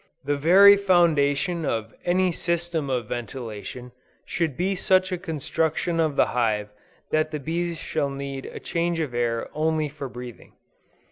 The very foundation of any system of ventilation should be such a construction of the hive that the bees shall need a change of air only for breathing.